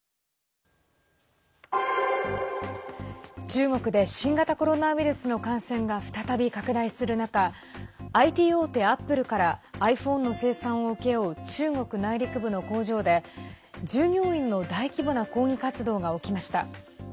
中国で、新型コロナウイルスの感染が再び拡大する中ＩＴ大手アップルからｉＰｈｏｎｅの生産を請け負う中国内陸部の工場で従業員の大規模な抗議活動が起きました。